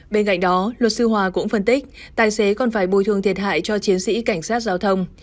bên cạnh đó luật sư hòa cũng phân tích tài xế còn phải bồi thường thiệt hại cho chiến sĩ cảnh sát giao thông